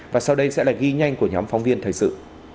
và sau đây sẽ là ghi nhanh của nhóm phóng viên thời sự